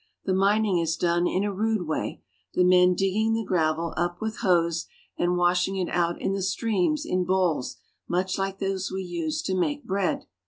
The mining is done in a rude way, the men digging the gravel up with hoes, and washing it out in the streams in bowls much like those we use to make bread.